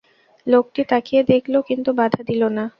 লোকটি তাকিয়ে দেখল, কিন্তু বাধা দিল না।